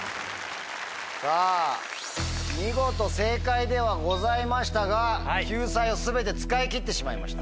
さぁ見事正解ではございましたが救済を全て使い切ってしまいました。